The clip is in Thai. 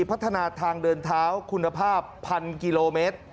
พัฒนาทางเดินเท้าคุณภาพ๑๐๐กิโลเมตร